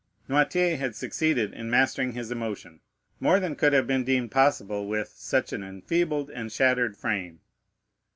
Noirtier had succeeded in mastering his emotion more than could have been deemed possible with such an enfeebled and shattered frame.